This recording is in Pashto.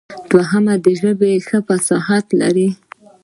دوهم د ژبې ښه فصاحت لري.